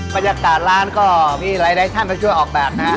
บรรยากาศร้านก็มีหลายท่านไปช่วยออกแบบนะฮะ